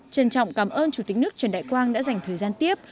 trân trọng cảm ơn chủ tịch nước trần đại quang đã dành thời gian tiếp